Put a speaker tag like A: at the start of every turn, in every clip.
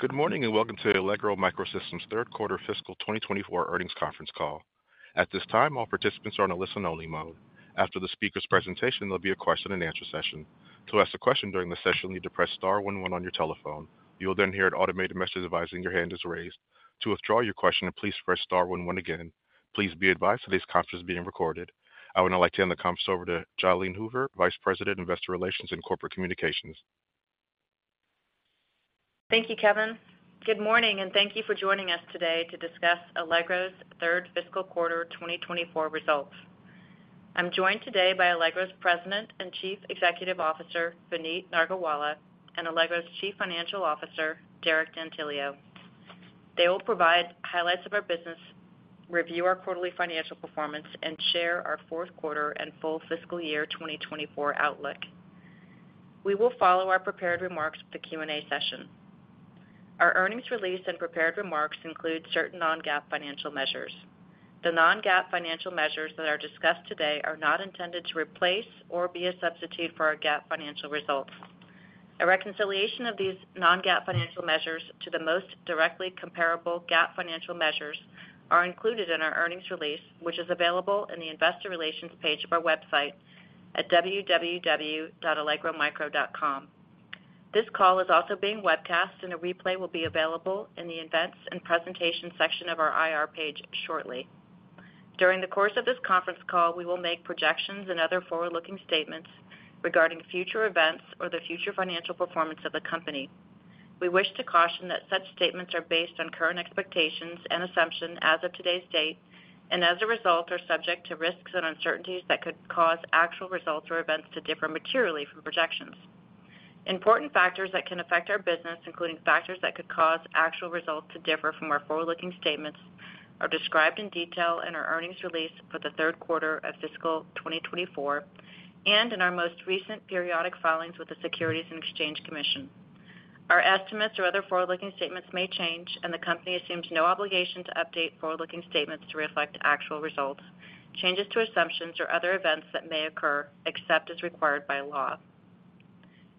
A: Good morning, and welcome to Allegro MicroSystems' third quarter fiscal 2024 earnings conference call. At this time, all participants are on a listen-only mode. After the speaker's presentation, there'll be a question-and-answer session. To ask a question during the session, you'll need to press star one one on your telephone. You'll then hear an automated message advising your hand is raised. To withdraw your question, please press star one one again. Please be advised that this conference is being recorded. I would now like to hand the conference over to Jalene Hoover, Vice President, Investor Relations and Corporate Communications.
B: Thank you, Kevin. Good morning, and thank you for joining us today to discuss Allegro's third fiscal quarter 2024 results. I'm joined today by Allegro's President and Chief Executive Officer, Vineet Nargolwala, and Allegro's Chief Financial Officer, Derek D'Antilio. They will provide highlights of our business, review our quarterly financial performance, and share our fourth quarter and full fiscal year 2024 outlook. We will follow our prepared remarks with the Q&A session. Our earnings release and prepared remarks include certain non-GAAP financial measures. The non-GAAP financial measures that are discussed today are not intended to replace or be a substitute for our GAAP financial results. A reconciliation of these non-GAAP financial measures to the most directly comparable GAAP financial measures are included in our earnings release, which is available in the investor relations page of our website at www.allegromicro.com. This call is also being webcast, and a replay will be available in the Events and Presentation section of our IR page shortly. During the course of this conference call, we will make projections and other forward-looking statements regarding future events or the future financial performance of the company. We wish to caution that such statements are based on current expectations and assumptions as of today's date, and as a result, are subject to risks and uncertainties that could cause actual results or events to differ materially from projections. Important factors that can affect our business, including factors that could cause actual results to differ from our forward-looking statements, are described in detail in our earnings release for the third quarter of fiscal 2024 and in our most recent periodic filings with the Securities and Exchange Commission. Our estimates or other forward-looking statements may change, and the company assumes no obligation to update forward-looking statements to reflect actual results, changes to assumptions, or other events that may occur, except as required by law.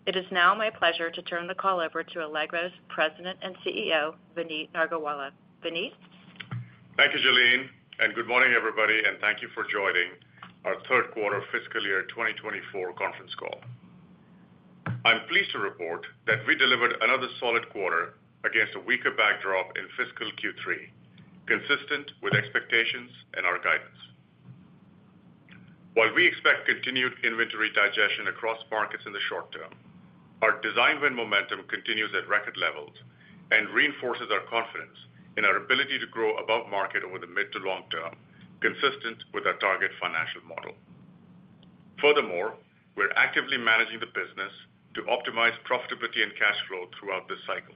B: It is now my pleasure to turn the call over to Allegro's President and CEO, Vineet Nargolwala. Vineet?
C: Thank you, Jalene, and good morning, everybody, and thank you for joining our third quarter fiscal year 2024 conference call. I'm pleased to report that we delivered another solid quarter against a weaker backdrop in fiscal Q3, consistent with expectations and our guidance. While we expect continued inventory digestion across markets in the short term, our design win momentum continues at record levels and reinforces our confidence in our ability to grow above market over the mid to long term, consistent with our target financial model. Furthermore, we're actively managing the business to optimize profitability and cash flow throughout this cycle.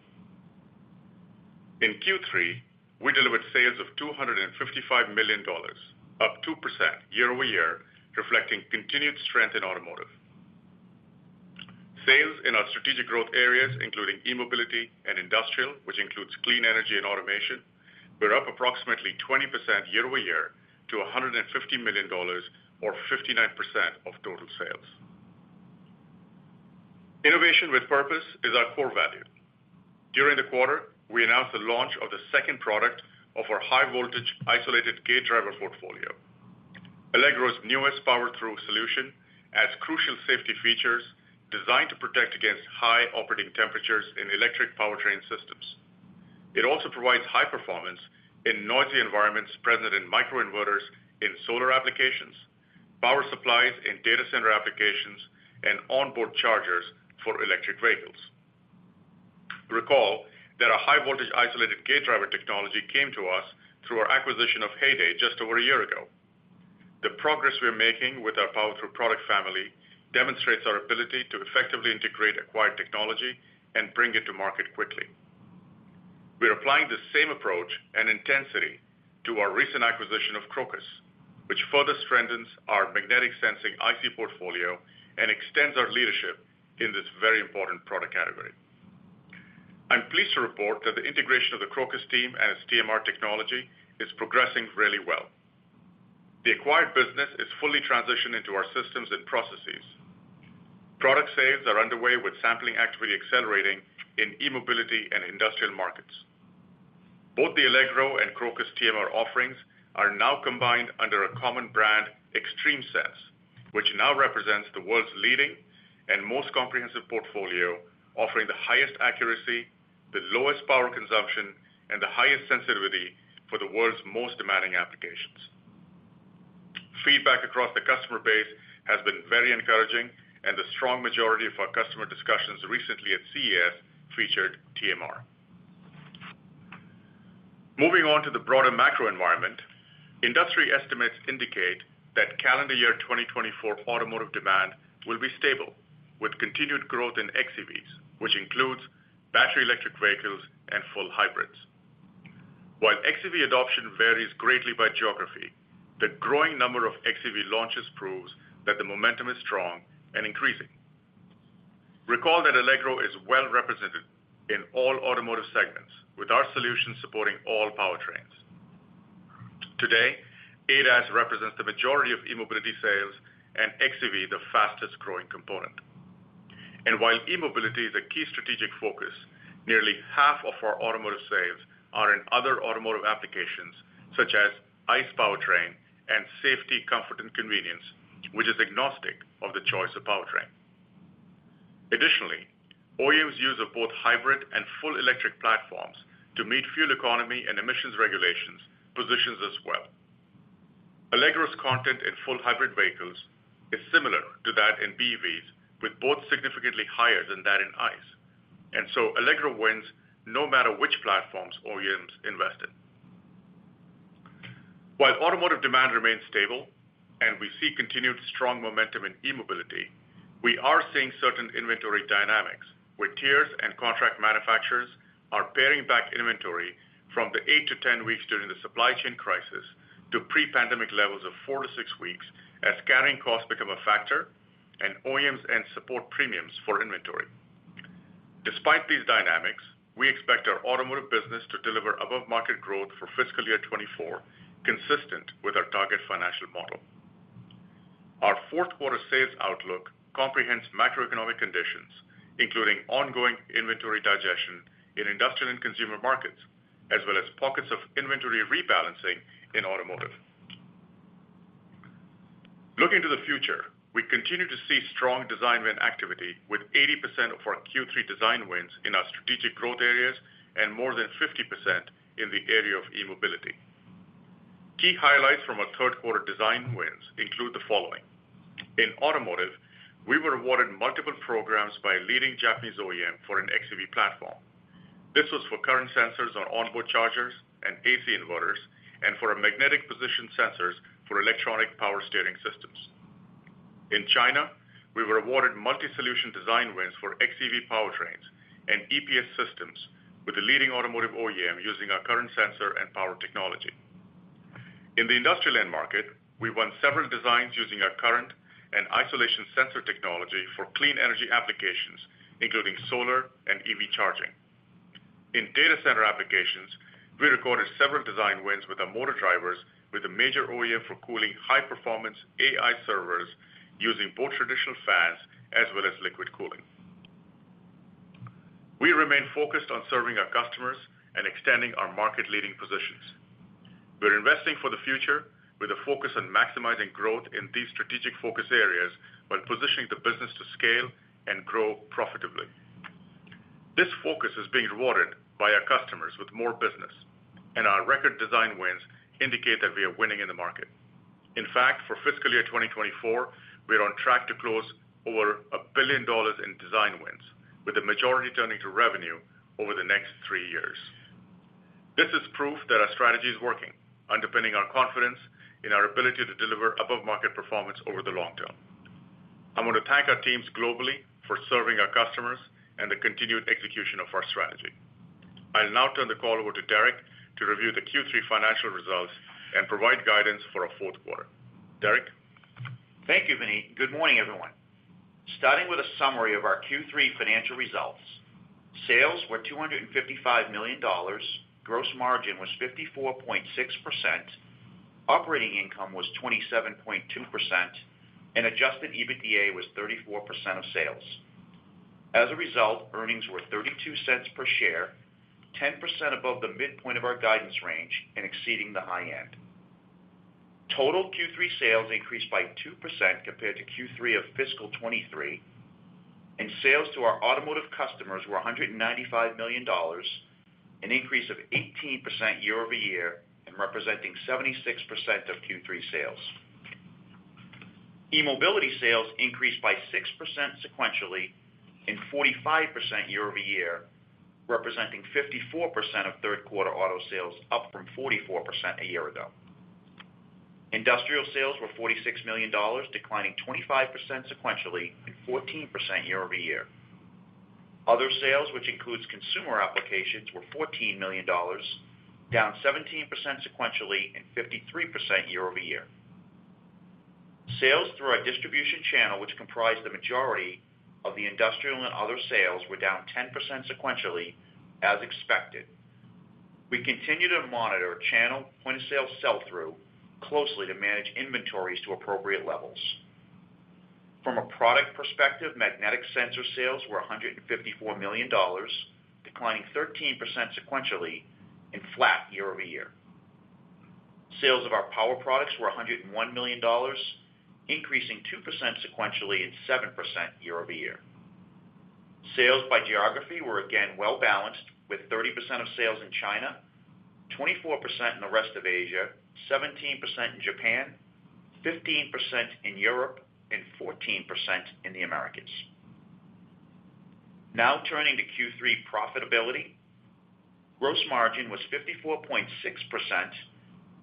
C: In Q3, we delivered sales of $255 million, up 2% year-over-year, reflecting continued strength in automotive. Sales in our strategic growth areas, including e-mobility and industrial, which includes clean energy and automation, were up approximately 20% year-over-year to $150 million or 59% of total sales. Innovation with purpose is our core value. During the quarter, we announced the launch of the second product of our high-voltage isolated gate driver portfolio. Allegro's newest Power-Thru solution adds crucial safety features designed to protect against high operating temperatures in electric powertrain systems. It also provides high performance in noisy environments present in microinverters in solar applications, power supplies in data center applications, and onboard chargers for electric vehicles. Recall that our high-voltage isolated gate driver technology came to us through our acquisition of Heyday just over a year ago. The progress we are making with our Power-Thru product family demonstrates our ability to effectively integrate acquired technology and bring it to market quickly. We are applying the same approach and intensity to our recent acquisition of Crocus, which further strengthens our magnetic sensing IC portfolio and extends our leadership in this very important product category. I'm pleased to report that the integration of the Crocus team and its TMR technology is progressing really well. The acquired business is fully transitioned into our systems and processes. Product sales are underway, with sampling actually accelerating in e-mobility and industrial markets. Both the Allegro and Crocus TMR offerings are now combined under a common brand, XtremeSense, which now represents the world's leading and most comprehensive portfolio, offering the highest accuracy, the lowest power consumption, and the highest sensitivity for the world's most demanding applications. Feedback across the customer base has been very encouraging, and the strong majority of our customer discussions recently at CES featured TMR. Moving on to the broader macro environment, industry estimates indicate that calendar year 2024 automotive demand will be stable, with continued growth in xEVs, which includes battery, electric vehicles, and full hybrids. While xEV adoption varies greatly by geography, the growing number of xEV launches proves that the momentum is strong and increasing. Recall that Allegro is well represented in all automotive segments, with our solutions supporting all powertrains. Today, ADAS represents the majority of eMobility sales and xEV, the fastest growing component. And while eMobility is a key strategic focus, nearly half of our automotive sales are in other automotive applications, such as ICE powertrain and safety, comfort, and convenience, which is agnostic of the choice of powertrain. Additionally, OEMs' use of both hybrid and full electric platforms to meet fuel economy and emissions regulations positions us well. Allegro's content in full hybrid vehicles is similar to that in BEVs, with both significantly higher than that in ICE, and so Allegro wins no matter which platforms OEMs invest in. While automotive demand remains stable and we see continued strong momentum in eMobility, we are seeing certain inventory dynamics, where tiers and contract manufacturers are paring back inventory from the eight to 10 weeks during the supply chain crisis to pre-pandemic levels of four to six weeks, as carrying costs become a factor and OEMs end support premiums for inventory. Despite these dynamics, we expect our automotive business to deliver above-market growth for fiscal year 2024, consistent with our target financial model. Our fourth quarter sales outlook comprehends macroeconomic conditions, including ongoing inventory digestion in industrial and consumer markets, as well as pockets of inventory rebalancing in automotive. Looking to the future, we continue to see strong design win activity, with 80% of our Q3 design wins in our strategic growth areas and more than 50% in the area of eMobility. Key highlights from our third quarter design wins include the following: In automotive, we were awarded multiple programs by a leading Japanese OEM for an xEV platform. This was for current sensors on onboard chargers and AC inverters, and for our magnetic position sensors for electronic power steering systems. In China, we were awarded multi-solution design wins for xEV powertrains and EPS systems, with a leading automotive OEM using our current sensor and power technology. In the industrial end market, we won several designs using our current and isolation sensor technology for clean energy applications, including solar and EV charging. In data center applications, we recorded several design wins with our motor drivers, with a major OEM for cooling high-performance AI servers using both traditional fans as well as liquid cooling. We remain focused on serving our customers and extending our market-leading positions. We're investing for the future with a focus on maximizing growth in these strategic focus areas, while positioning the business to scale and grow profitably. This focus is being rewarded by our customers with more business, and our record design wins indicate that we are winning in the market. In fact, for fiscal year 2024, we are on track to close over $1 billion in design wins, with the majority turning to revenue over the next three years. This is proof that our strategy is working, underpinning our confidence in our ability to deliver above-market performance over the long term. I want to thank our teams globally for serving our customers and the continued execution of our strategy. I'll now turn the call over to Derek to review the Q3 financial results and provide guidance for our fourth quarter. Derek?
D: Thank you, Vineet. Good morning, everyone. Starting with a summary of our Q3 financial results, sales were $255 million. Gross margin was 54.6%, operating income was 27.2%, and adjusted EBITDA was 34% of sales. As a result, earnings were $0.32 per share, 10% above the midpoint of our guidance range and exceeding the high end. Total Q3 sales increased by 2% compared to Q3 of fiscal 2023, and sales to our automotive customers were $195 million, an increase of 18% year-over-year, and representing 76% of Q3 sales. eMobility sales increased by 6% sequentially and 45% year-over-year, representing 54% of third quarter auto sales, up from 44% a year ago. Industrial sales were $46 million, declining 25% sequentially and 14% year-over-year. Other sales, which includes consumer applications, were $14 million, down 17% sequentially and 53% year-over-year. Sales through our distribution channel, which comprised the majority of the industrial and other sales, were down 10% sequentially, as expected. We continue to monitor channel point-of-sale sell-through closely to manage inventories to appropriate levels. From a product perspective, magnetic sensor sales were $154 million, declining 13% sequentially and flat year-over-year. Sales of our power products were $101 million, increasing 2% sequentially and 7% year-over-year. Sales by geography were again well-balanced, with 30% of sales in China, 24% in the rest of Asia, 17% in Japan, 15% in Europe, and 14% in the Americas. Now, turning to Q3 profitability. Gross margin was 54.6%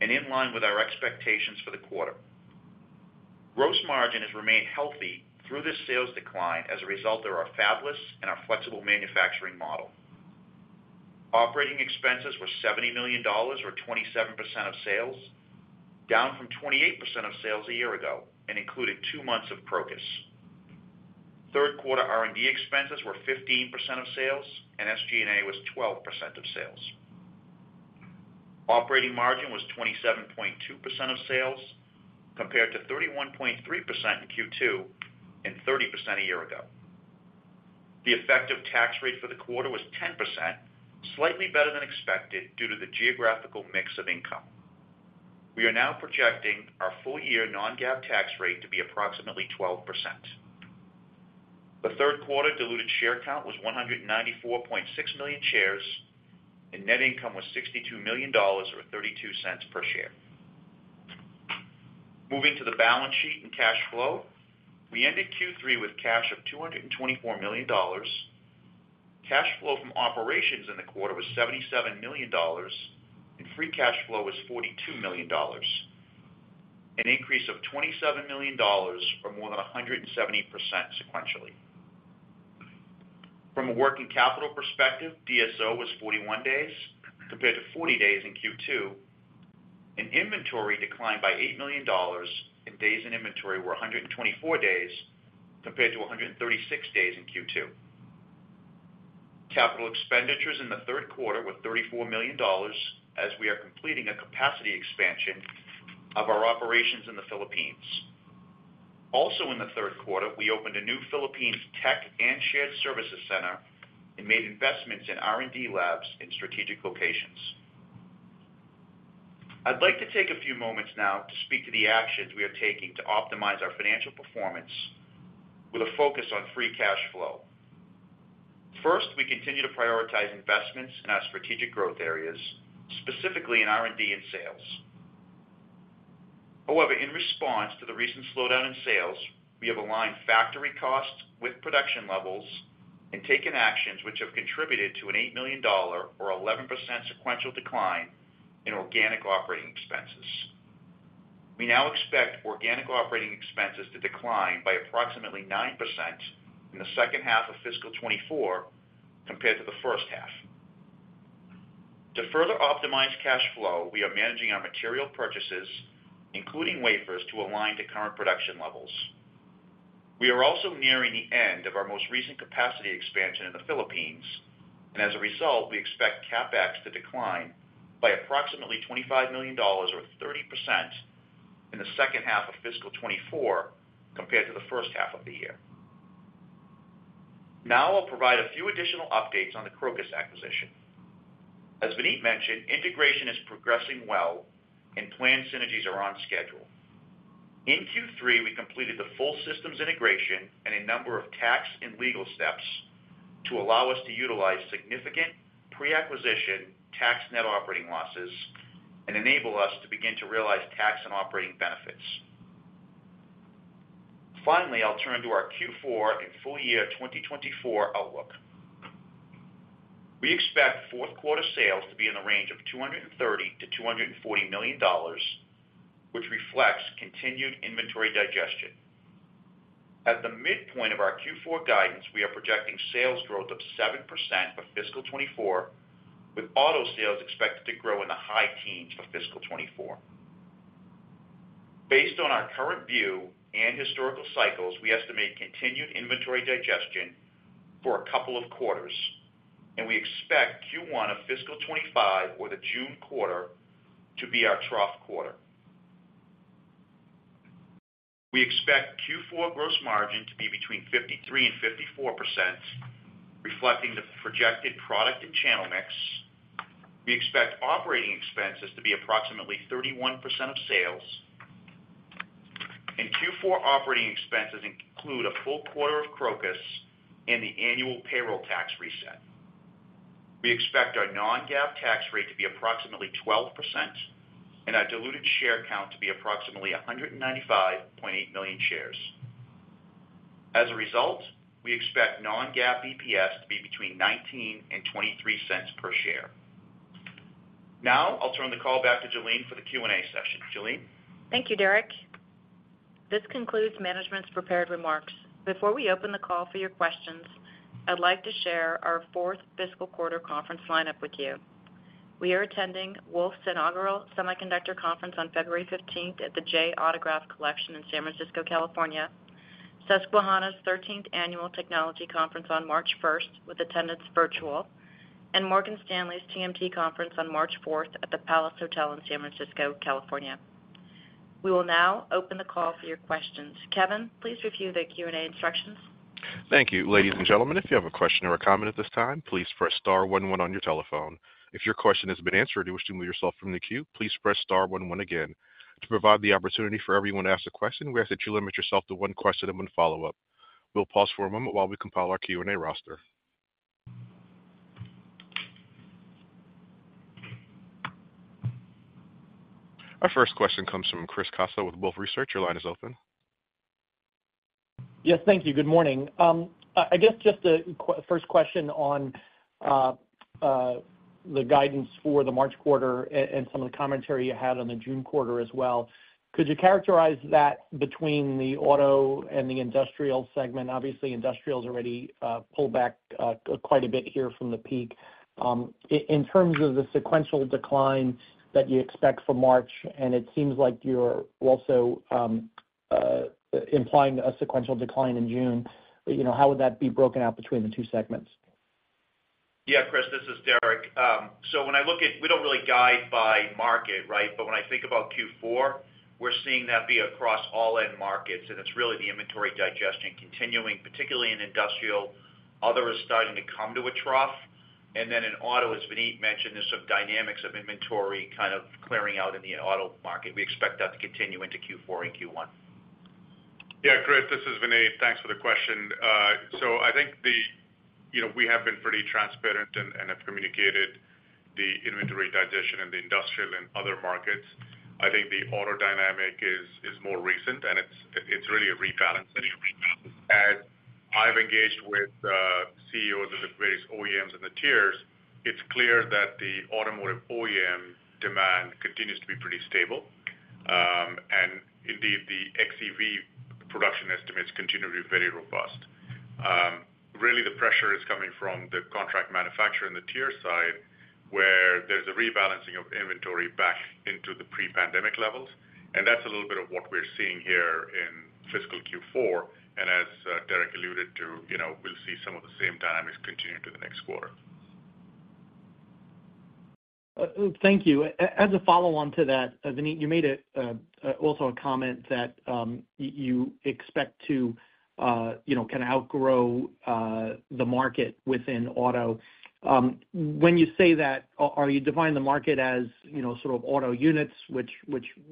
D: and in line with our expectations for the quarter. Gross margin has remained healthy through this sales decline as a result of our fabless and our flexible manufacturing model. Operating expenses were $70 million, or 27% of sales, down from 28% of sales a year ago and included two months of Crocus. Third quarter R&D expenses were 15% of sales, and SG&A was 12% of sales. Operating margin was 27.2% of sales, compared to 31.3% in Q2 and 30% a year ago. The effective tax rate for the quarter was 10%, slightly better than expected due to the geographical mix of income. We are now projecting our full-year non-GAAP tax rate to be approximately 12%. The third quarter diluted share count was 194.6 million shares, and net income was $62 million or $0.32 per share. Moving to the balance sheet and cash flow. We ended Q3 with cash of $224 million. Cash flow from operations in the quarter was $77 million, and free cash flow was $42 million, an increase of $27 million or more than 170% sequentially. From a working capital perspective, DSO was 41 days, compared to 40 days in Q2, and inventory declined by $8 million, and days in inventory were 124 days, compared to 136 days in Q2. Capital expenditures in the third quarter were $34 million, as we are completing a capacity expansion of our operations in the Philippines. Also, in the third quarter, we opened a new Philippines tech and shared services center and made investments in R&D labs in strategic locations. I'd like to take a few moments now to speak to the actions we are taking to optimize our financial performance with a focus on free cash flow. First, we continue to prioritize investments in our strategic growth areas, specifically in R&D and sales. However, in response to the recent slowdown in sales, we have aligned factory costs with production levels and taken actions which have contributed to an $8 million or 11% sequential decline in organic operating expenses. We now expect organic operating expenses to decline by approximately 9% in the second half of fiscal 2024 compared to the first half. To further optimize cash flow, we are managing our material purchases, including wafers, to align to current production levels. We are also nearing the end of our most recent capacity expansion in the Philippines, and as a result, we expect CapEx to decline by approximately $25 million or 30% in the second half of fiscal 2024 compared to the first half of the year. Now I'll provide a few additional updates on the Crocus acquisition. As Vineet mentioned, integration is progressing well, and planned synergies are on schedule. In Q3, we completed the full systems integration and a number of tax and legal steps to allow us to utilize significant pre-acquisition tax net operating losses and enable us to begin to realize tax and operating benefits. Finally, I'll turn to our Q4 and full year 2024 outlook. We expect fourth quarter sales to be in the range of $230 million-$240 million, which reflects continued inventory digestion. At the midpoint of our Q4 guidance, we are projecting sales growth of 7% for fiscal 2024, with auto sales expected to grow in the high teens for fiscal 2024. Based on our current view and historical cycles, we estimate continued inventory digestion for a couple of quarters, and we expect Q1 of fiscal 2025 or the June quarter to be our trough quarter. We expect Q4 gross margin to be between 53% and 54%, reflecting the projected product and channel mix. We expect operating expenses to be approximately 31% of sales, and Q4 operating expenses include a full quarter of Crocus and the annual payroll tax reset. We expect our non-GAAP tax rate to be approximately 12% and our diluted share count to be approximately 195.8 million shares. As a result, we expect non-GAAP EPS to be between $0.19 and $0.23 per share. Now I'll turn the call back to Jalene for the Q&A session. Jalene?
B: Thank you, Derek. This concludes management's prepared remarks. Before we open the call for your questions, I'd like to share our fourth fiscal quarter conference lineup with you. We are attending Wolfe's Inaugural Semiconductor Conference on February 15 at The Jay, Autograph Collection in San Francisco, California, Susquehanna's 13th Annual Technology Conference on March 1, with attendance virtual, and Morgan Stanley's TMT Conference on March 4 at the Palace Hotel in San Francisco, California. We will now open the call for your questions. Kevin, please review the Q&A instructions.
A: Thank you. Ladies and gentlemen, if you have a question or a comment at this time, please press star one one on your telephone. If your question has been answered, or you wish to remove yourself from the queue, please press star one one again. To provide the opportunity for everyone to ask a question, we ask that you limit yourself to one question and one follow-up. We'll pause for a moment while we compile our Q&A roster. Our first question comes from Chris Caso with Wolfe Research. Your line is open.
E: Yes, thank you. Good morning. I guess just the first question on the guidance for the March quarter and some of the commentary you had on the June quarter as well. Could you characterize that between the auto and the industrial segment? Obviously, industrial's already pulled back quite a bit here from the peak. In terms of the sequential decline that you expect for March, and it seems like you're also implying a sequential decline in June, you know, how would that be broken out between the two segments?...
D: Yeah, Chris, this is Derek. So when I look at, we don't really guide by market, right? But when I think about Q4, we're seeing that be across all end markets, and it's really the inventory digestion continuing, particularly in industrial. Other is starting to come to a trough, and then in auto, as Vineet mentioned, there's some dynamics of inventory kind of clearing out in the auto market. We expect that to continue into Q4 and Q1.
C: Yeah, Chris, this is Vineet. Thanks for the question. So I think the, you know, we have been pretty transparent and, and have communicated the inventory digestion in the industrial and other markets. I think the auto dynamic is, is more recent, and it's, it's really a rebalancing. As I've engaged with, CEOs of the various OEMs and the tiers, it's clear that the automotive OEM demand continues to be pretty stable. Really, the pressure is coming from the contract manufacturer and the tier side, where there's a rebalancing of inventory back into the pre-pandemic levels, and that's a little bit of what we're seeing here in fiscal Q4, and as, Derek alluded to, you know, we'll see some of the same dynamics continue into the next quarter.
E: Thank you. As a follow-on to that, Vineet, you made also a comment that you expect to, you know, kind of outgrow the market within auto. When you say that, are you defining the market as, you know, sort of auto units, which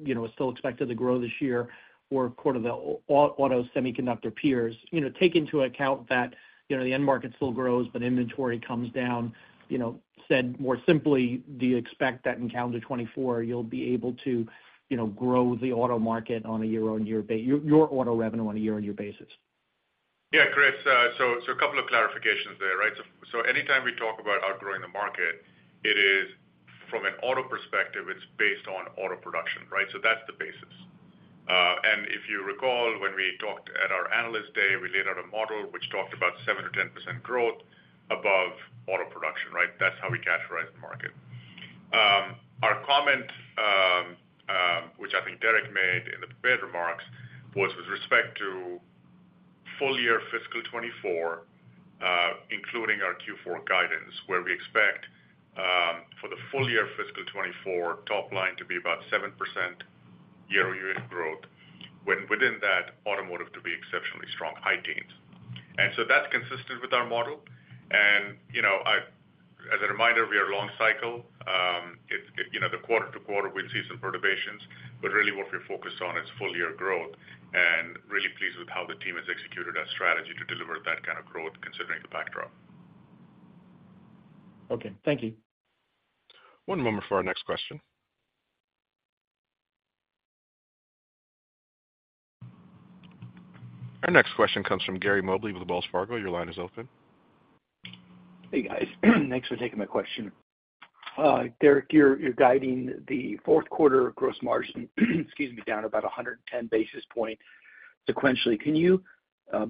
E: you know is still expected to grow this year, or quarter the auto semiconductor peers? You know, take into account that, you know, the end market still grows, but inventory comes down. You know, said more simply, do you expect that in calendar 2024, you'll be able to, you know, grow the auto market on a year-on-year basis, your auto revenue on a year-on-year basis?
C: Yeah, Chris, so a couple of clarifications there, right? So anytime we talk about outgrowing the market, it is from an auto perspective, it's based on auto production, right? So that's the basis. And if you recall, when we talked at our Analyst Day, we laid out a model which talked about 7%-10% growth above auto production, right? That's how we characterize the market. Our comment, which I think Derek made in the prepared remarks, was with respect to full year fiscal 2024, including our Q4 guidance, where we expect, for the full year fiscal 2024 top line to be about 7% year-on-year growth, when within that, automotive to be exceptionally strong, high teens%. And so that's consistent with our model, and, you know, as a reminder, we are long cycle. You know, the quarter-to-quarter, we'll see some perturbations, but really what we're focused on is full year growth, and really pleased with how the team has executed our strategy to deliver that kind of growth considering the backdrop.
E: Okay, thank you.
A: One moment for our next question. Our next question comes from Gary Mobley with Wells Fargo. Your line is open.
F: Hey, guys. Thanks for taking my question. Derek, you're guiding the fourth quarter gross margin, excuse me, down about 110 basis points sequentially. Can you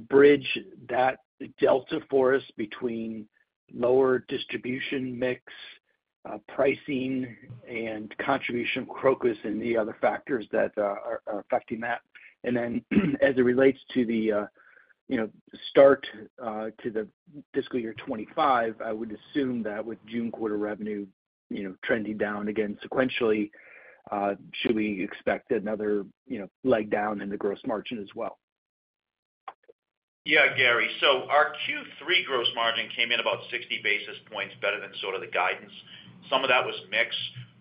F: bridge that delta for us between lower distribution mix, pricing and contribution Crocus and the other factors that are affecting that? And then as it relates to the, you know, start to the fiscal year 2025, I would assume that with June quarter revenue, you know, trending down again sequentially, should we expect another, you know, leg down in the gross margin as well?
D: Yeah, Gary. So our Q3 gross margin came in about 60 basis points better than sort of the guidance. Some of that was mix.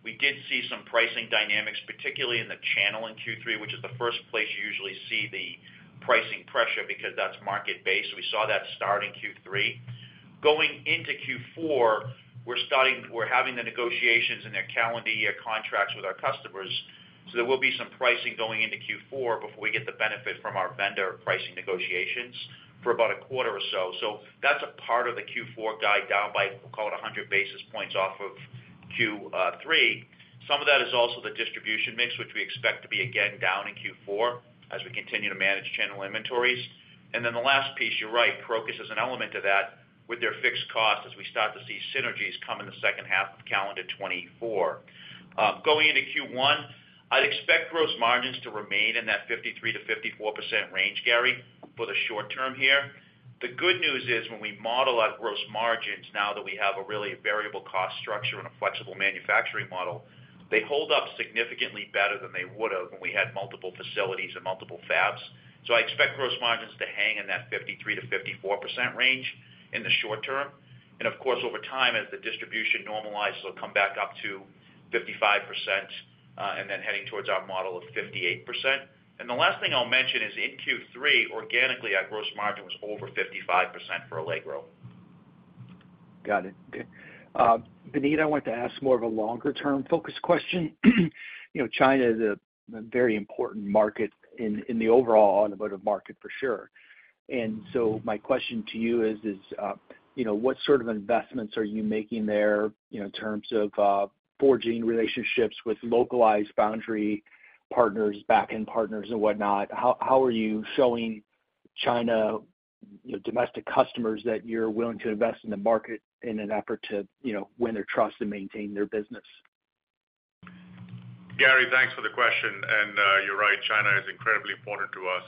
D: We did see some pricing dynamics, particularly in the channel in Q3, which is the first place you usually see the pricing pressure, because that's market-based. We saw that start in Q3. Going into Q4, we're having the negotiations in their calendar year contracts with our customers, so there will be some pricing going into Q4 before we get the benefit from our vendor pricing negotiations for about a quarter or so. So that's a part of the Q4 guide down by, we'll call it 100 basis points off of Q3. Some of that is also the distribution mix, which we expect to be again down in Q4 as we continue to manage channel inventories. Then the last piece, you're right, Crocus is an element of that with their fixed cost as we start to see synergies come in the second half of calendar 2024. Going into Q1, I'd expect gross margins to remain in that 53%-54% range, Gary, for the short term here. The good news is, when we model our gross margins, now that we have a really variable cost structure and a flexible manufacturing model, they hold up significantly better than they would have when we had multiple facilities and multiple fabs. So I expect gross margins to hang in that 53%-54% range in the short term. And of course, over time, as the distribution normalizes, it'll come back up to 55%, and then heading towards our model of 58%. The last thing I'll mention is in Q3, organically, our gross margin was over 55% for Allegro.
F: Got it. Good. Vineet, I want to ask more of a longer term focused question. You know, China is a very important market in the overall automotive market, for sure. And so my question to you is, you know, what sort of investments are you making there, you know, in terms of forging relationships with localized foundry partners, back-end partners and whatnot? How are you showing China domestic customers that you're willing to invest in the market in an effort to, you know, win their trust and maintain their business?...
C: Gary, thanks for the question. You're right, China is incredibly important to us.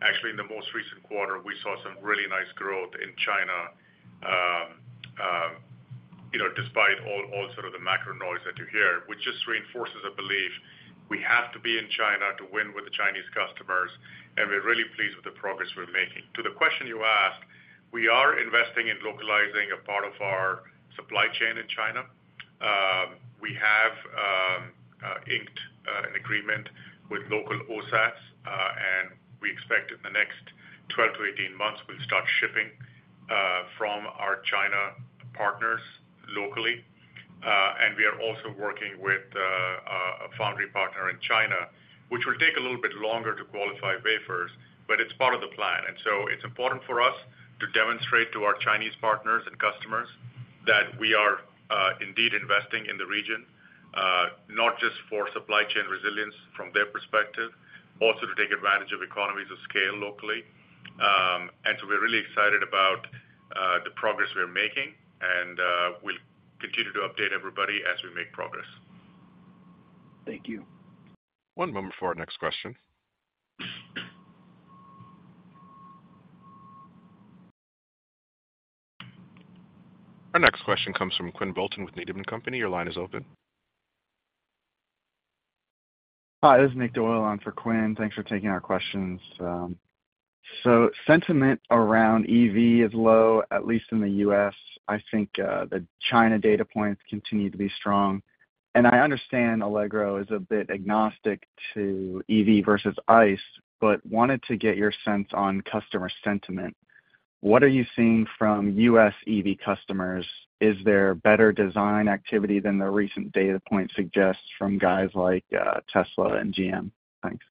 C: Actually, in the most recent quarter, we saw some really nice growth in China, you know, despite all sort of the macro noise that you hear, which just reinforces a belief we have to be in China to win with the Chinese customers, and we're really pleased with the progress we're making. To the question you asked, we are investing in localizing a part of our supply chain in China. We have inked an agreement with local OSATs, and we expect in the next 12-18 months, we'll start shipping from our China partners locally. And we are also working with a foundry partner in China, which will take a little bit longer to qualify wafers, but it's part of the plan. And so it's important for us to demonstrate to our Chinese partners and customers that we are indeed investing in the region, not just for supply chain resilience from their perspective, also to take advantage of economies of scale locally. And so we're really excited about the progress we're making, and we'll continue to update everybody as we make progress.
G: Thank you.
A: One moment for our next question. Our next question comes from Quinn Bolton with Needham and Company. Your line is open.
H: Hi, this is Nick Doyle on for Quinn. Thanks for taking our questions. So sentiment around EV is low, at least in the U.S. I think, the China data points continue to be strong, and I understand Allegro is a bit agnostic to EV versus ICE, but wanted to get your sense on customer sentiment. What are you seeing from U.S. EV customers? Is there better design activity than the recent data point suggests from guys like, Tesla and GM? Thanks.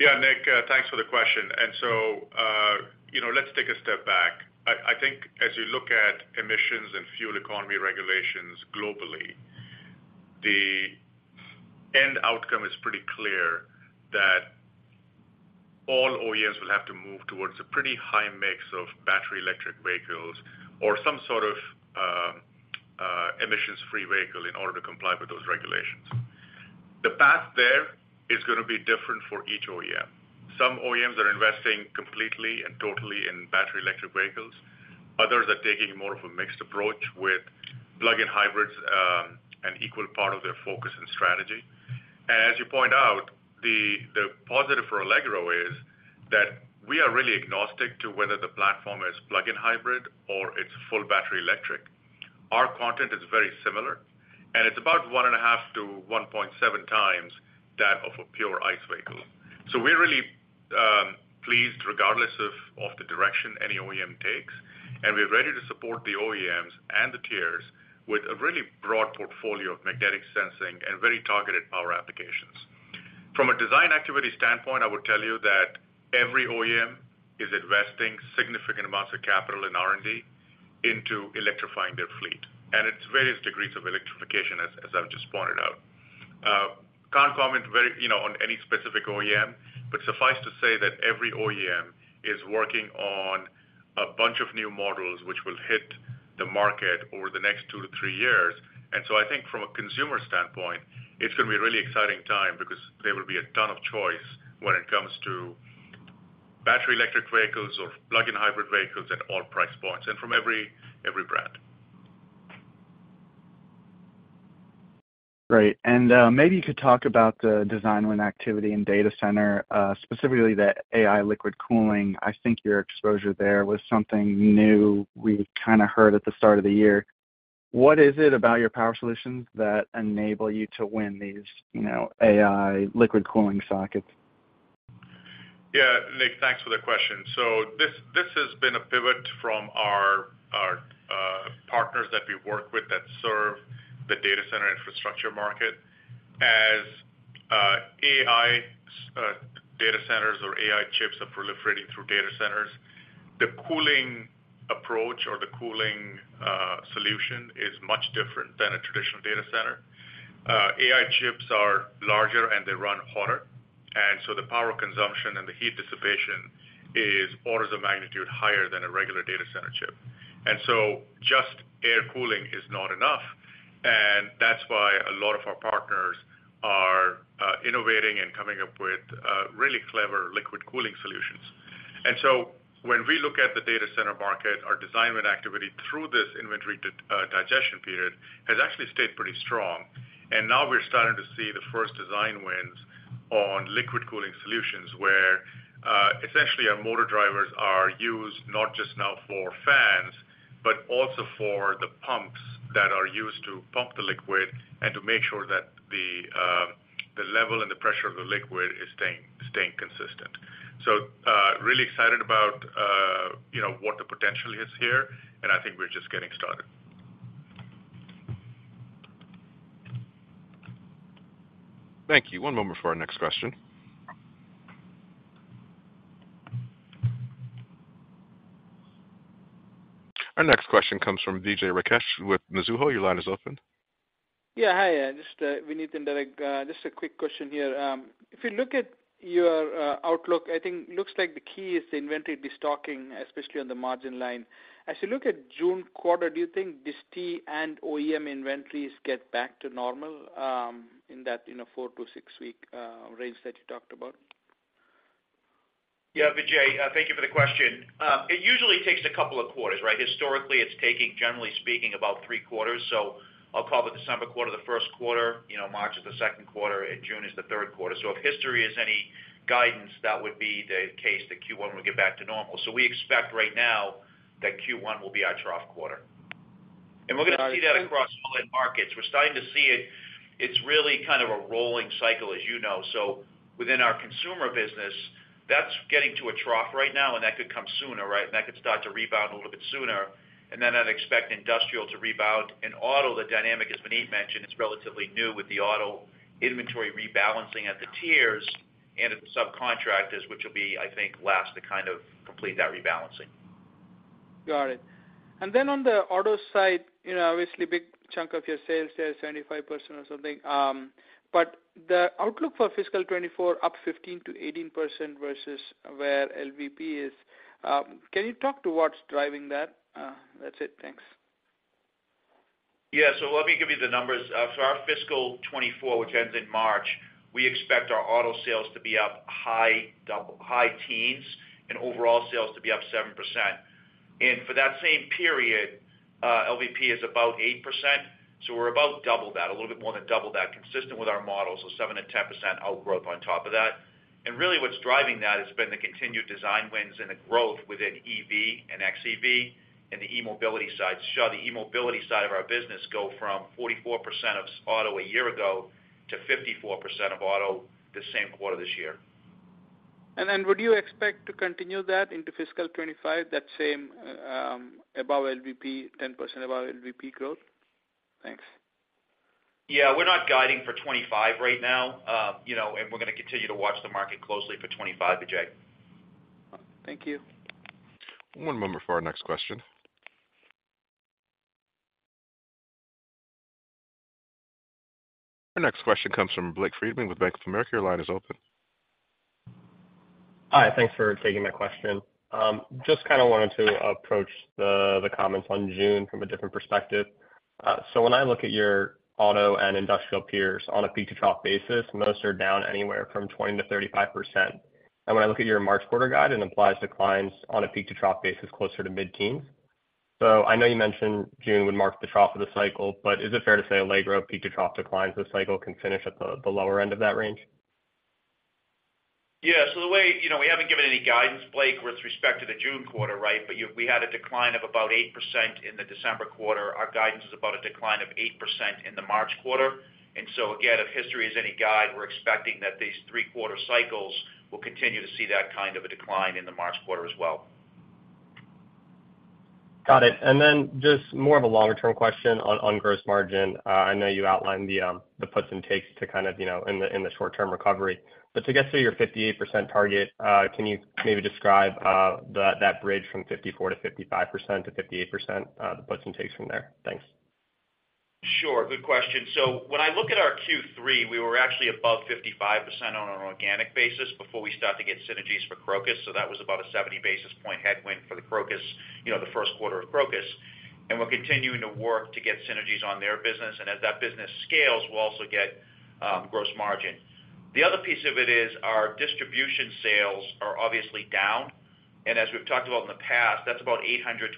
C: Yeah, Nick, thanks for the question. So, you know, let's take a step back. I think as you look at emissions and fuel economy regulations globally, the end outcome is pretty clear that all OEMs will have to move towards a pretty high mix of battery electric vehicles or some sort of emissions-free vehicle in order to comply with those regulations. The path there is gonna be different for each OEM. Some OEMs are investing completely and totally in battery electric vehicles. Others are taking more of a mixed approach with plug-in hybrids, an equal part of their focus and strategy. And as you point out, the positive for Allegro is that we are really agnostic to whether the platform is plug-in hybrid or it's full battery electric. Our content is very similar, and it's about 1.5x-1.7x that of a pure ICE vehicle. So we're really pleased, regardless of the direction any OEM takes, and we're ready to support the OEMs and the tiers with a really broad portfolio of magnetic sensing and very targeted power applications. From a design activity standpoint, I would tell you that every OEM is investing significant amounts of capital in R&D into electrifying their fleet, and it's various degrees of electrification, as I've just pointed out. Can't comment very, you know, on any specific OEM, but suffice to say that every OEM is working on a bunch of new models, which will hit the market over the next 2-3 years. And so I think from a consumer standpoint, it's gonna be a really exciting time because there will be a ton of choice when it comes to battery electric vehicles or plug-in hybrid vehicles at all price points and from every, every brand.
H: Great. Maybe you could talk about the design win activity in data center, specifically the AI liquid cooling. I think your exposure there was something new we kind of heard at the start of the year. What is it about your power solutions that enable you to win these, you know, AI liquid cooling sockets?
C: Yeah, Nick, thanks for the question. So this has been a pivot from our partners that we work with that serve the data center infrastructure market. As AI data centers or AI chips are proliferating through data centers, the cooling approach or the cooling solution is much different than a traditional data center. AI chips are larger, and they run hotter, and so the power consumption and the heat dissipation is orders of magnitude higher than a regular data center chip. And so just air cooling is not enough, and that's why a lot of our partners are innovating and coming up with really clever liquid cooling solutions. And so when we look at the data center market, our design win activity through this inventory digestion period has actually stayed pretty strong. Now we're starting to see the first design wins on liquid cooling solutions, where essentially our motor drivers are used not just now for fans, but also for the pumps that are used to pump the liquid and to make sure that the level and the pressure of the liquid is staying consistent. So really excited about you know what the potential is here, and I think we're just getting started.
A: Thank you. One moment for our next question. Our next question comes from Vijay Rakesh with Mizuho. Your line is open.
I: Yeah, hi, just, Vineet and Derek, just a quick question here. If you look at your outlook, I think looks like the key is the inventory destocking, especially on the margin line. As you look at June quarter, do you think disty and OEM inventories get back to normal, in that, in a 4-6 week range that you talked about?...
D: Yeah, Vijay, thank you for the question. It usually takes a couple of quarters, right? Historically, it's taking, generally speaking, about three quarters. So I'll call the December quarter, the first quarter, you know, March is the second quarter, and June is the third quarter. So if history is any guidance, that would be the case that Q1 will get back to normal. So we expect right now that Q1 will be our trough quarter. And we're gonna see that across all end markets. We're starting to see it. It's really kind of a rolling cycle, as you know. So within our consumer business, that's getting to a trough right now, and that could come sooner, right? And that could start to rebound a little bit sooner, and then I'd expect industrial to rebound. In auto, the dynamic, as Vineet mentioned, is relatively new with the auto inventory rebalancing at the tiers and at the subcontractors, which will be, I think, last to kind of complete that rebalancing.
I: Got it. And then on the auto side, you know, obviously, a big chunk of your sales there, 75% or something, but the outlook for fiscal 2024, up 15%-18% versus where LVP is. Can you talk to what's driving that? That's it. Thanks.
D: Yeah. So let me give you the numbers. For our fiscal 2024, which ends in March, we expect our auto sales to be up high teens and overall sales to be up 7%. And for that same period, LVP is about 8%. So we're about double that, a little bit more than double that, consistent with our model, so 7%-10% outgrowth on top of that. And really, what's driving that has been the continued design wins and the growth within EV and xEV and the e-mobility side. Saw the e-mobility side of our business go from 44% of auto a year ago to 54% of auto the same quarter this year.
I: And then would you expect to continue that into fiscal 2025, that same, above LVP, 10% above LVP growth? Thanks.
D: Yeah, we're not guiding for 2025 right now, you know, and we're gonna continue to watch the market closely for 2025, Vijay.
I: Thank you.
A: One moment for our next question. Our next question comes from Blake Friedman with Bank of America. Your line is open.
J: Hi, thanks for taking my question. Just kind of wanted to approach the comments on June from a different perspective. So when I look at your auto and industrial peers on a peak-to-trough basis, most are down anywhere from 20%-35%. When I look at your March quarter guide, it implies declines on a peak-to-trough basis, closer to mid-teens. I know you mentioned June would mark the trough of the cycle, but is it fair to say Allegro peak-to-trough declines this cycle can finish at the lower end of that range?
D: Yeah. So the way... You know, we haven't given any guidance, Blake, with respect to the June quarter, right? But you, we had a decline of about 8% in the December quarter. Our guidance is about a decline of 8% in the March quarter. And so again, if history is any guide, we're expecting that these three-quarter cycles will continue to see that kind of a decline in the March quarter as well.
J: Got it. And then just more of a longer-term question on gross margin. I know you outlined the puts and takes to kind of, you know, in the short-term recovery. But to get to your 58% target, can you maybe describe that bridge from 54%-55%, 58%, the puts and takes from there? Thanks.
D: Sure. Good question. So when I look at our Q3, we were actually above 55% on an organic basis before we start to get synergies for Crocus. So that was about a 70 basis point headwind for the Crocus, you know, the first quarter of Crocus. And we're continuing to work to get synergies on their business, and as that business scales, we'll also get gross margin. The other piece of it is our distribution sales are obviously down, and as we've talked about in the past, that's about 800-1,000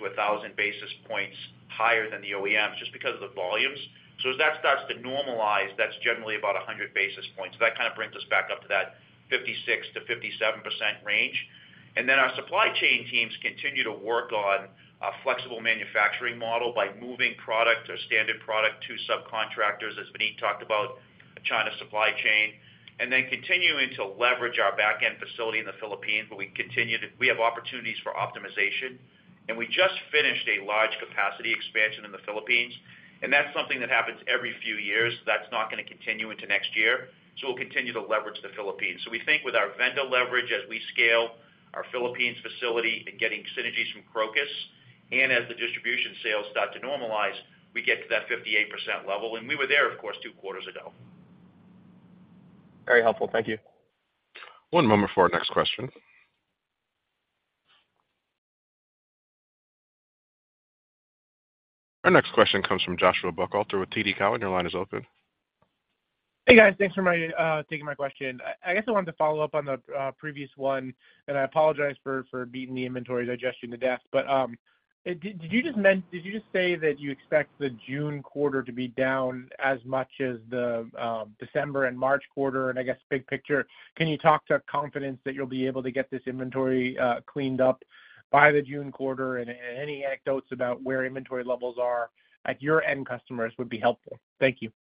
D: basis points higher than the OEMs, just because of the volumes. So as that starts to normalize, that's generally about 100 basis points. So that kind of brings us back up to that 56%-57% range. And then our supply chain teams continue to work on a flexible manufacturing model by moving product or standard product to subcontractors, as Vineet talked about, a China supply chain, and then continuing to leverage our back-end facility in the Philippines, where we continue to have opportunities for optimization. And we just finished a large capacity expansion in the Philippines, and that's something that happens every few years. That's not gonna continue into next year, so we'll continue to leverage the Philippines. So we think with our vendor leverage, as we scale our Philippines facility and getting synergies from Crocus, and as the distribution sales start to normalize, we get to that 58% level, and we were there, of course, two quarters ago.
J: Very helpful. Thank you.
A: One moment for our next question. Our next question comes from Joshua Buchalter with TD Cowen. Your line is open.
K: Hey, guys, thanks for taking my question. I guess I wanted to follow up on the previous one, and I apologize for beating the inventory digestion to death, but did you just say that you expect the June quarter to be down as much as the December and March quarter? And I guess, big picture, can you talk to confidence that you'll be able to get this inventory cleaned up by the June quarter, and any anecdotes about where inventory levels are at your end customers would be helpful. Thank you.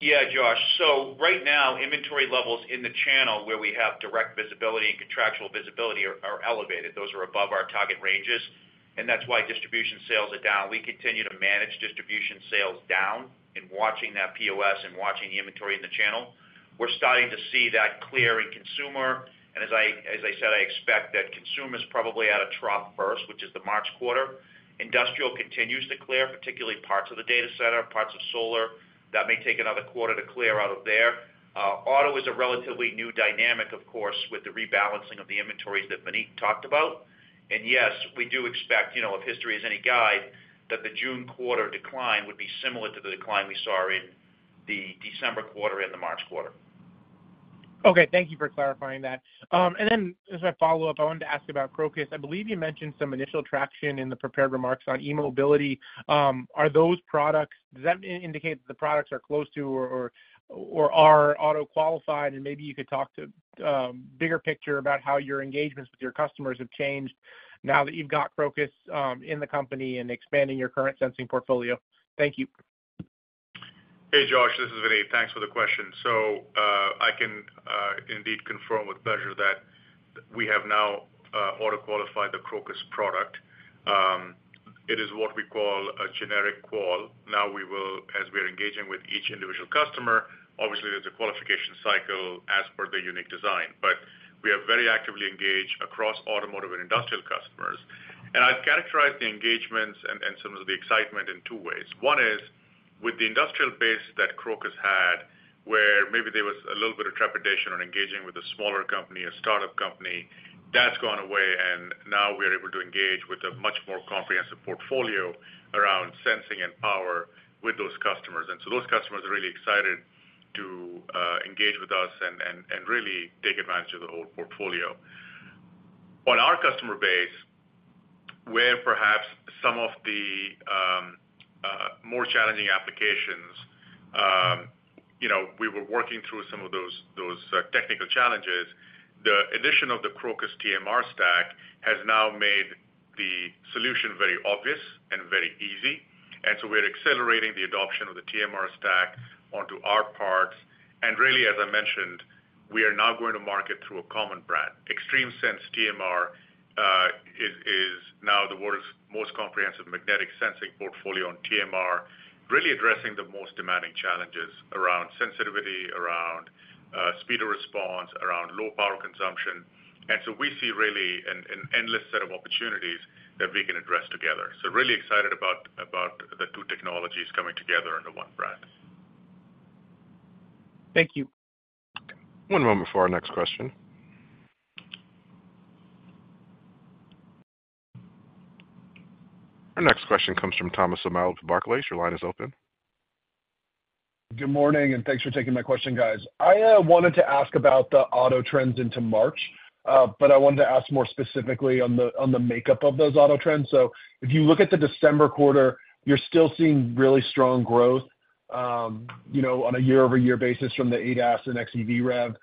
D: Yeah, Josh. So right now, inventory levels in the channel where we have direct visibility and contractual visibility are elevated. Those are above our target ranges, and that's why distribution sales are down. We continue to manage distribution sales down and watching that POS and watching the inventory in the channel. We're starting to see that clear in consumer, and as I said, I expect that consumer is probably at a trough first, which is the March quarter. Industrial continues to clear, particularly parts of the data center, parts of solar. That may take another quarter to clear out of there. Auto is a relatively new dynamic, of course, with the rebalancing of the inventories that Vineet talked about. And yes, we do expect, you know, if history is any guide, that the June quarter decline would be similar to the decline we saw in March. the December quarter and the March quarter.
K: Okay, thank you for clarifying that. Then as my follow-up, I wanted to ask you about Crocus. I believe you mentioned some initial traction in the prepared remarks on e-mobility. Are those products—does that indicate that the products are close to or are auto qualified? And maybe you could talk to bigger picture about how your engagements with your customers have changed now that you've got Crocus in the company and expanding your current sensing portfolio. Thank you.
C: Hey, Josh, this is Vineet. Thanks for the question. So, I can indeed confirm with pleasure that we have now auto qualified the Crocus product. It is what we call a generic qual. Now we will, as we are engaging with each individual customer, obviously, there's a qualification cycle as per the unique design, but we are very actively engaged across automotive and industrial customers. And I'd characterize the engagements and some of the excitement in two ways. One is, with the industrial base that Crocus had, where maybe there was a little bit of trepidation on engaging with a smaller company, a startup company, that's gone away, and now we're able to engage with a much more comprehensive portfolio around sensing and power with those customers. And so those customers are really excited to engage with us and really take advantage of the whole portfolio. On our customer base, where perhaps some of the more challenging applications, you know, we were working through some of those technical challenges, the addition of the Crocus TMR stack has now made the solution very obvious and very easy, and so we're accelerating the adoption of the TMR stack onto our parts. And really, as I mentioned, we are now going to market through a common brand. XtremeSense TMR is now the world's most comprehensive magnetic sensing portfolio on TMR, really addressing the most demanding challenges around sensitivity, around speed of response, around low power consumption. And so we see really an endless set of opportunities that we can address together. Really excited about the two technologies coming together under one brand.
K: Thank you.
A: One moment for our next question. Our next question comes from Thomas O'Malley with Barclays. Your line is open.
L: Good morning, and thanks for taking my question, guys. I wanted to ask about the auto trends into March, but I wanted to ask more specifically on the, on the makeup of those auto trends. So if you look at the December quarter, you're still seeing really strong growth, you know, on a year-over-year basis from the ADAS and xEV rev,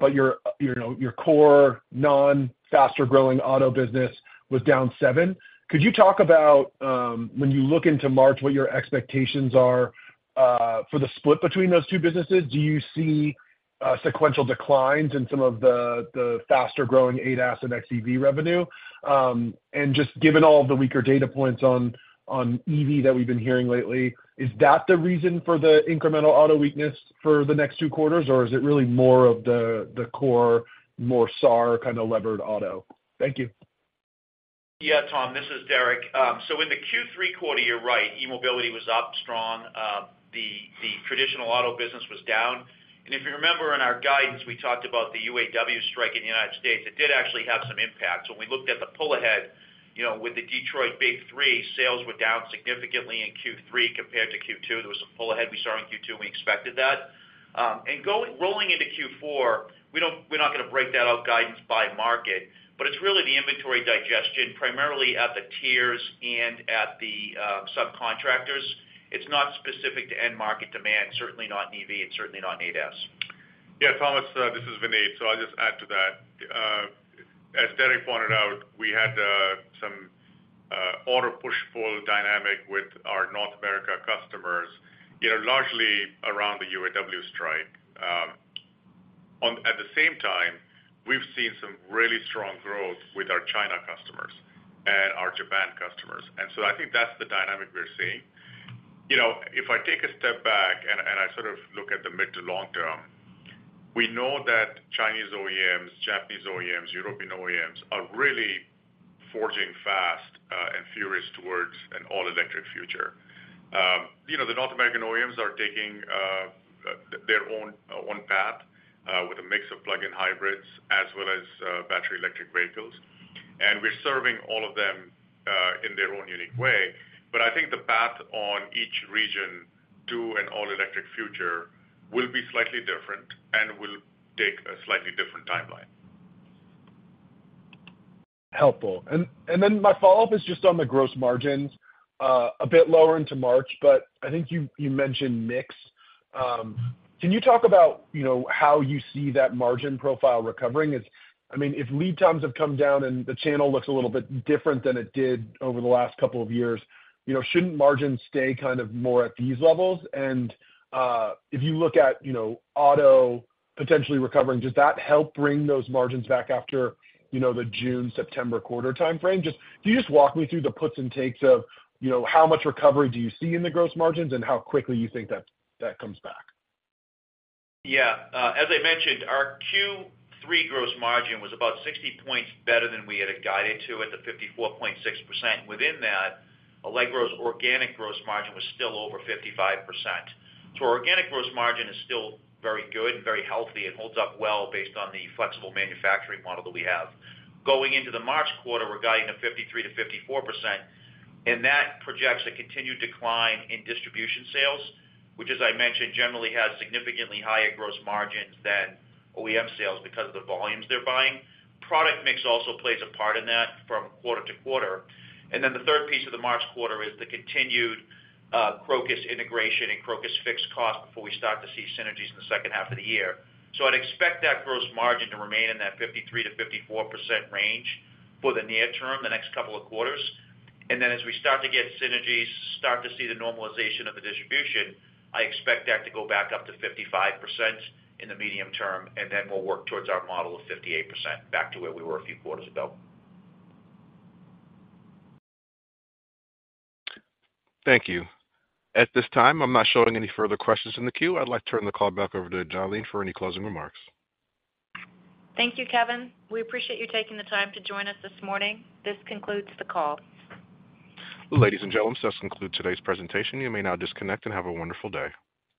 L: but your, you know, your core, non-faster-growing auto business was down seven. Could you talk about, when you look into March, what your expectations are, for the split between those two businesses? Do you see, sequential declines in some of the, the faster-growing ADAS and xEV revenue? Just given all the weaker data points on EV that we've been hearing lately, is that the reason for the incremental auto weakness for the next two quarters, or is it really more of the core, more SAR kind of levered auto? Thank you.
D: Yeah, Tom, this is Derek. So in the Q3 quarter, you're right, e-mobility was up strong, the traditional auto business was down. And if you remember in our guidance, we talked about the UAW strike in the United States. It did actually have some impact. So when we looked at the pull ahead, you know, with the Detroit Big Three, sales were down significantly in Q3 compared to Q2. There was some pull ahead we saw in Q2, and we expected that. And going, rolling into Q4, we're not going to break that out guidance by market, but it's really the inventory digestion, primarily at the tiers and at the subcontractors. It's not specific to end-market demand, certainly not in EV and certainly not in ADAS.
C: Yeah, Thomas, this is Vineet, so I'll just add to that. As Derek pointed out, we had some order push-pull dynamic with our North America customers, you know, largely around the UAW strike. At the same time, we've seen some really strong growth with our China customers and our Japan customers, and so I think that's the dynamic we're seeing. You know, if I take a step back and I sort of look at the mid to long term, we know that Chinese OEMs, Japanese OEMs, European OEMs are really forging fast and furious towards an all-electric future. You know, the North American OEMs are taking their own path with a mix of plug-in hybrids as well as battery electric vehicles, and we're serving all of them in their own unique way. But I think the path on each region to an all-electric future will be slightly different and will take a slightly different timeline.
L: Helpful. And then my follow-up is just on the gross margins, a bit lower into March, but I think you mentioned mix. Can you talk about, you know, how you see that margin profile recovering? I mean, if lead times have come down and the channel looks a little bit different than it did over the last couple of years, you know, shouldn't margins stay kind of more at these levels? And if you look at, you know, auto potentially recovering, does that help bring those margins back after, you know, the June, September quarter time frame? Just, can you just walk me through the puts and takes of, you know, how much recovery do you see in the gross margins and how quickly you think that comes back?
D: Yeah. As I mentioned, our Q3 gross margin was about 60 points better than we had guided to at the 54.6%. Within that, Allegro's organic gross margin was still over 55%. So organic gross margin is still very good and very healthy. It holds up well based on the flexible manufacturing model that we have. Going into the March quarter, we're guiding to 53%-54%, and that projects a continued decline in distribution sales, which, as I mentioned, generally has significantly higher gross margins than OEM sales because of the volumes they're buying. Product mix also plays a part in that from quarter to quarter. And then the third piece of the March quarter is the continued, Crocus integration and Crocus fixed cost before we start to see synergies in the second half of the year. I'd expect that gross margin to remain in that 53%-54% range for the near term, the next couple of quarters. And then as we start to get synergies, start to see the normalization of the distribution, I expect that to go back up to 55% in the medium term, and then we'll work towards our model of 58%, back to where we were a few quarters ago.
A: Thank you. At this time, I'm not showing any further questions in the queue. I'd like to turn the call back over to Jalene for any closing remarks.
B: Thank you, Kevin. We appreciate you taking the time to join us this morning. This concludes the call.
A: Ladies and gentlemen, this concludes today's presentation. You may now disconnect and have a wonderful day.